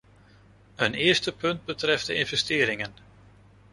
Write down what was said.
Een eerste punt betreft de investeringen.